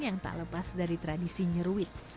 yang tak lepas dari tradisi nyeruit